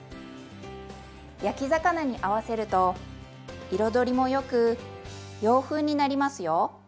焼き魚に合わせると彩りもよく洋風になりますよ。